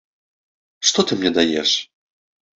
Што ты мне даеш?!